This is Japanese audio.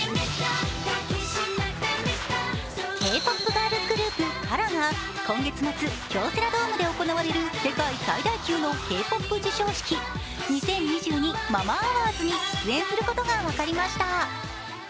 ガールズグループＫＡＲＡが今月末、京セラドームで行われる世界最大級のＫ−ＰＯＰ授賞式、２０２２ＭＡＭＡＡＷＡＲＤＳに出演することが分かりました。